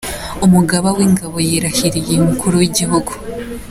Umugaba w'ingabo yirahiriye umukuru w'igihugu.